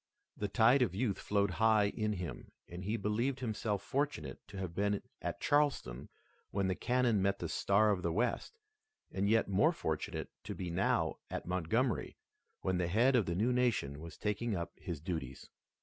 The tide of youth flowed high in him, and he believed himself fortunate to have been at Charleston when the cannon met the Star of the West, and yet more fortunate to be now at Montgomery, when the head of the new nation was taking up his duties.